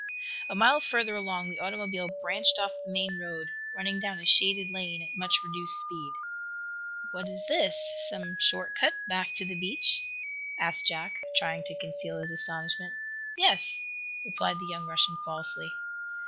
A mile further along the automobile branched off the main road, running down a shaded lane at much reduced speed. "What is this some short cut back to the beach?" asked Jack, trying to conceal his astonishment. "Yes," replied the young Russian, falsely.